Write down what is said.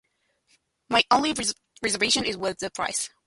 My only reservation is with the price.